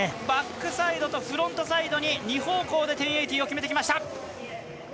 バックサイドとフロントサイドに２方向で１０８０を決めてきました。